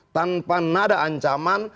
tanpa nada ancaman